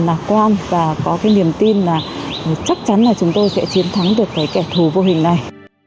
lạc quan và có cái niềm tin là chắc chắn là chúng tôi sẽ chiến thắng được cái kẻ thù vô hình này